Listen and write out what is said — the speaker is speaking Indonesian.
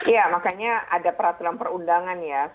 iya makanya ada peraturan perundangan ya